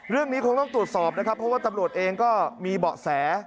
เรื่องนี้คงต้องตรวจสอบนะครับเพราะว่าตำรวจเองก็มีเบาะแส